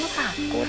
gak usah takut